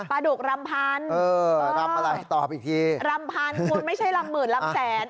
ดุกรำพันเออรำอะไรตอบอีกทีรำพันคุณไม่ใช่ลำหมื่นลำแสน